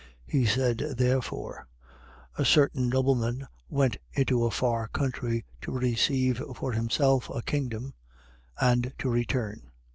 19:12. He said therefore: a certain nobleman went into a far country, to receive for himself a kingdom and to return.